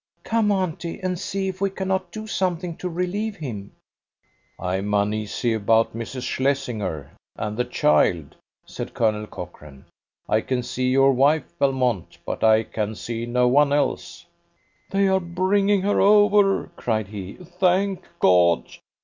"Come, auntie, and see if we cannot do something to relieve him." "I'm uneasy about Mrs. Shlesinger and the child," said Colonel Cochrane. "I can see your wife, Belmont, but I can see no one else." "They are bringing her over," cried he. "Thank God!